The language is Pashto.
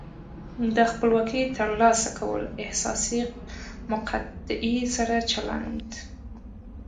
د خپلواکۍ ترلاسه کول حساسې مقطعې سره چلند و.